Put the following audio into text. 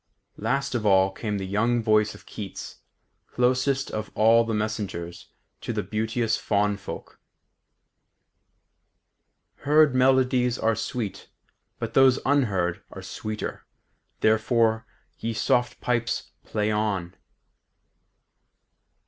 Last of all came the young voice of Keats, closest of all the messengers to the beauteous faun folk. "Heard melodies are sweet, but those unheard Are sweeter: therefore, ye soft pipes, play on....